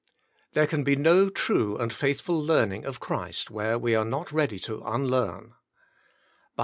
There can be no true and faithful learning of Christ where we are not ready to unlearn.